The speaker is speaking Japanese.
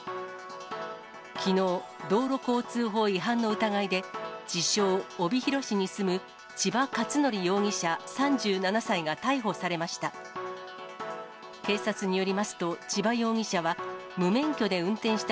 きのう、道路交通法違反の疑いで、自称、帯広市に住む千葉勝規容疑者３７歳が逮捕されました。